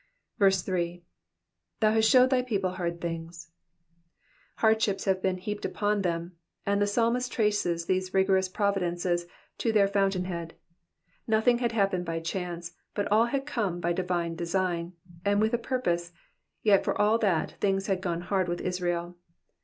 8. ^''Thou hast showed thy people hard things,'*'* Hardships had been heaped upon them, and the psalmist traces these rigorous providences to their fountain head. Kothing had happened by chance, but all had come by divine design and with a purpose, yet for all that things had gone hard with Israel.